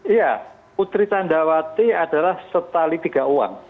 iya putri candrawati adalah setali tiga uang